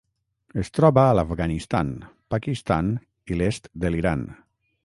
Es troba a l'Afganistan, Pakistan i l'est de l'Iran.